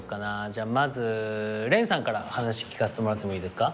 じゃあまずれんさんから話聞かせてもらってもいいですか？